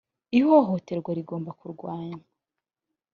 ihohoterwa rigomba kurwanywa.